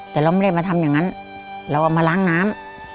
แต่เราไม่ได้มาทำอย่างนั้นเราเอามาล้างน้ำ